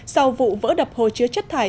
sau vụ vỡ đập hồ chứa chất thải